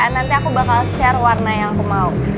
nanti aku bakal share warna yang aku mau